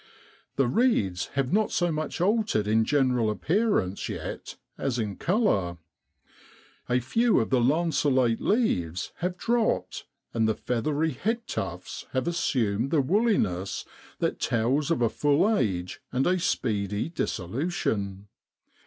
The reeds have not so much altered in general appearance yet as in colour. A few of the lanceolate leaves have dropped, and the feathery head tufts have assumed the woolliness that tells of a full age and a speedy dissolution.